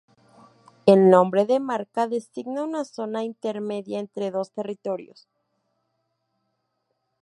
El nombre de marca designa una zona intermedia entre dos territorios.